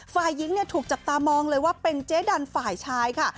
ฝ่ายหญิงถูกจับตามองเลยว่าเป็นเจ๊ดันฝ่ายชายค่ะ